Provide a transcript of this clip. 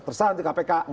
terusan di kpk